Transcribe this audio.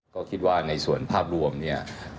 ก็คิดว่าในส่วนภาพรวมเนี่ย